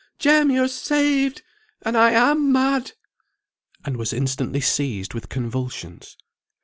Jem! you're saved; and I am mad " and was instantly seized with convulsions.